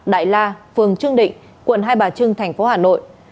đại la phường trương định quận hai bà trưng thành phố hà nội